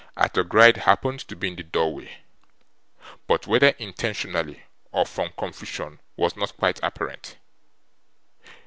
Arthur Gride happened to be in the doorway, but whether intentionally or from confusion was not quite apparent.